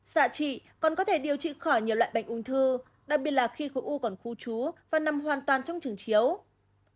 xạ trị còn có thể điều trị khỏi nhiều loại bệnh ung thư đặc biệt là khi khối u còn khu trú và nằm hoàn toàn trong trường chiếu